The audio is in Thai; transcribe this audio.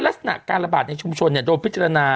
ลักษณะการระบาดในชุมชนโดนพิจารณา